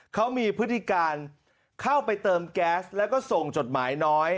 เขามีพฤติการเข้าไปเติมแก๊สแล้วก็ส่งจดหมายน้อย